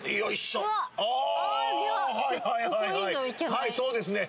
はいそうですね